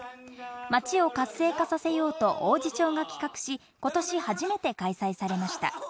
町を活性化させようと、王寺町が企画し、ことし初めて開催されました。